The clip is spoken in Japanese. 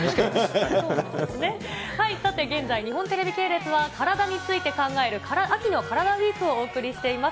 さて、現在、日本テレビ系列は、体について考える、秋のカラダＷＥＥＫをお送りしています。